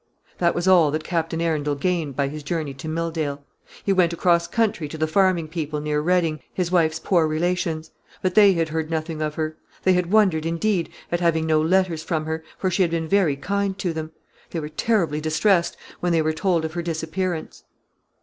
This was all that Captain Arundel gained by his journey to Milldale. He went across country to the farming people near Reading, his wife's poor relations. But they had heard nothing of her. They had wondered, indeed, at having no letters from her, for she had been very kind to them. They were terribly distressed when they were told of her disappearance.